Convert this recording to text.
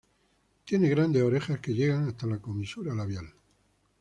Tiene grandes orejas que llegan hasta la comisura labial.